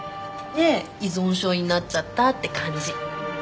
で依存症になっちゃったって感じ。